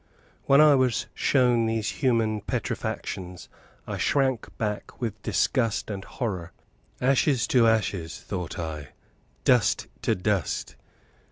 When I was shown these human petrifactions, I shrank back with disgust and horror. "Ashes to ashes!" thought I "Dust to dust!"